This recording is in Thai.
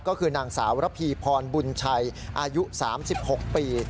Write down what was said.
ก็คือนางสาวระพีพรบุญชัยอายุ๓๖ปี